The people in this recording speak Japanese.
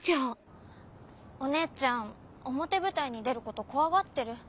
お姉ちゃん表舞台に出ること怖がってる。